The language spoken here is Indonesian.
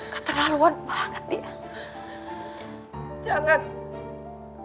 keterlaluan banget dia jangan salahin dewi dewi baik baik jaga mama rawat mama